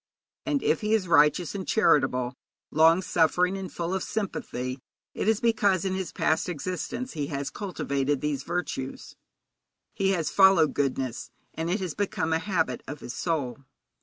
And if he is righteous and charitable, long suffering and full of sympathy, it is because in his past existence he has cultivated these virtues; he has followed goodness, and it has become a habit of his soul.